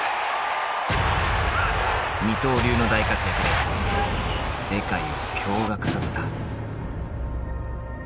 二刀流の大活躍で世界を驚がくさせた。